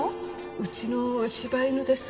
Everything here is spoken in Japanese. うちの柴犬です。